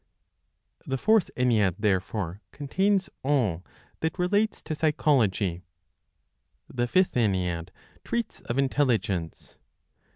The Fourth Ennead, therefore, contains all that relates to Psychology. The Fifth Ennead treats of Intelligence.